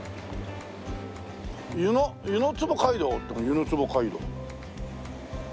「湯の坪街道」って「湯の坪街道」。